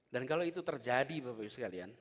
dan kalau itu terjadi bapak ibu sekalian